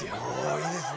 いいですね。